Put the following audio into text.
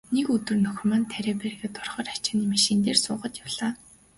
Нэг өдөр нөхөр маань тариа бригад орохоор ачааны машин дээр суугаад явлаа.